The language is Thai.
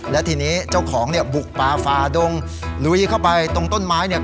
และทีนี้เจ้าของเนี่ยบุกป่าฟาดงลุยเข้าไปตรงต้นไม้เนี่ย